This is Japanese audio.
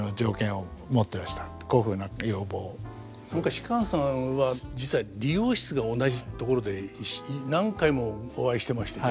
芝さんは実は理容室が同じところで何回もお会いしてましてね。